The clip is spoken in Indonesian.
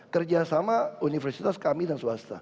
kerja sama universitas kami dan swasta